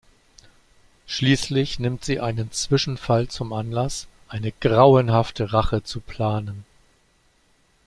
Schließlich nimmt sie einen Zwischenfall zum Anlass, eine grauenhafte Rache zu planen.